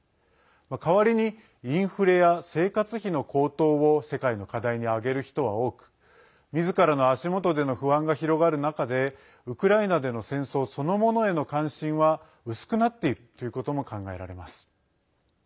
代わりにインフレや生活費の高騰を世界の課題に挙げる人は多くみずからの足元での不安が広がる中でウクライナでの戦争そのものへの関心は薄くなっているということも考えられます。